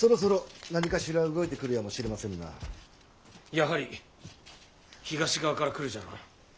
やはり東側から来るじゃろうな。